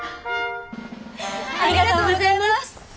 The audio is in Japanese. ありがとうございます！